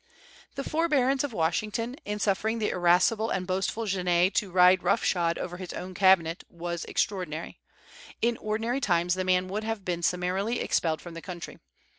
The forbearance of Washington, in suffering the irascible and boastful Genet to ride rough shod over his own cabinet, was extraordinary. In ordinary times the man would have been summarily expelled from the country.